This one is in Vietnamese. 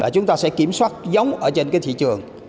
là chúng ta sẽ kiểm soát giống ở trên cái thị trường